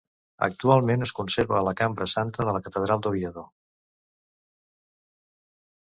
Actualment, es conserva a la Cambra Santa de la Catedral d'Oviedo.